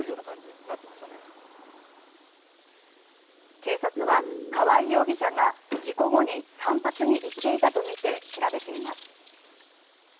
警察は川合容疑者が事故後に散髪に行っていたとみて調べています。